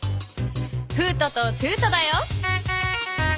フートとトゥートだよ。